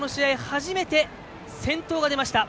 初めて先頭が出ました。